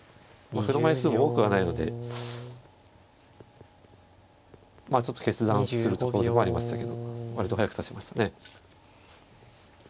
歩の枚数も多くはないのでまあちょっと決断するところでもありましたけど割と早く指しましたね。